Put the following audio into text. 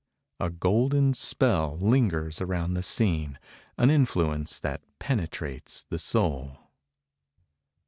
A golden spell lingers around the scene, an influence that penetrates the soul.